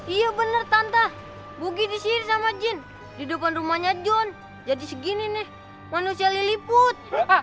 iya bener tante bugi disini sama jin di depan rumahnya john jadi segini nih manusia lili put